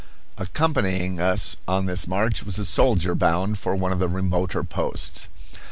Accompanying us on this march was a soldier bound for one of the remoter posts.